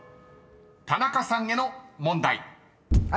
［田中さんへの問題］